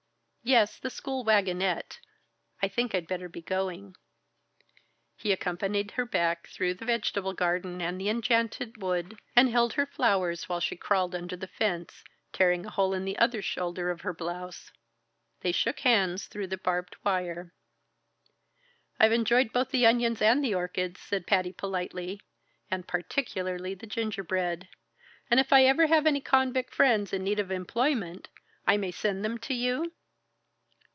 "Yes, the school wagonette. I think I'd better be going." He accompanied her back, through the vegetable garden and the enchanted wood, and held her flowers while she crawled under the fence, tearing a hole in the other shoulder of her blouse. They shook hands through the barbed wire. "I've enjoyed both the onions and the orchids," said Patty politely, "and particularly the gingerbread. And if I ever have any convict friends in need of employment, I may send them to you?"